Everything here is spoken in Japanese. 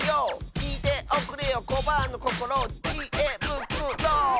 「きいておくれよコバアのこころ」「チ・エ・ブ・ク・ロ！」